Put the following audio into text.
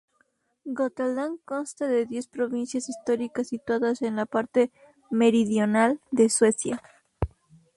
Götaland consta de diez provincias históricas situadas en la parte meridional de Suecia.